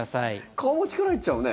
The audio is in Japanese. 顔も力入っちゃうね。